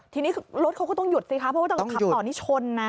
ทีนี้รถเขาก็ต้องหยุดสิคะเพราะว่าตอนขับต่อนี่ชนนะ